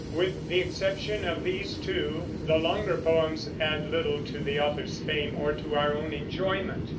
With the exception of these two, the longer poems add little to the author's fame or to our own enjoyment.